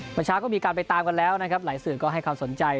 เมื่อเช้าก็มีการไปตามกันแล้วนะครับหลายสื่อก็ให้ความสนใจ